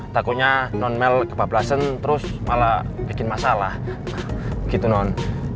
takutnya non mel kebablasan terus malah bikin masalah gitu non